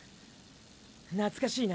懐かしいな。